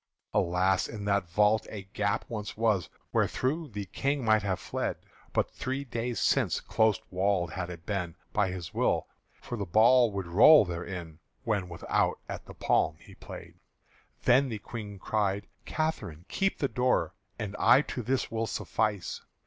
(Alas! in that vault a gap once was Wherethro' the King might have fled; But three days since close walled had it been By his will; for the ball would roll therein When without at the palm he play'd.) Then the Queen cried, "Catherine, keep the door, And I to this will suffice!"